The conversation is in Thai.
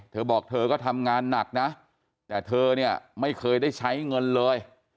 เธอบอกเธอก็ทำงานหนักนะแต่เธอเนี่ยไม่เคยได้ใช้เงินเลย